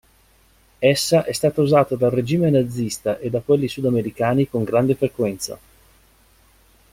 Essa è stata usata dal regime nazista e da quelli sudamericani con grande frequenza.